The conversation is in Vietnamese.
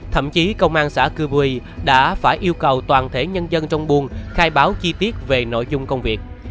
thậm chí công an xã cư quỳ đã phải yêu cầu toàn thể nhân dân trong buôn khai báo chi tiết về nội dung công việc